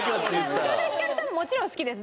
宇多田ヒカルさんももちろん好きです。